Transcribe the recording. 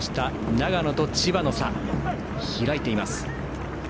長野と千葉の差が開いています。